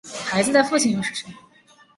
孩子的父亲又是谁？